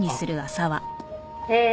ええ。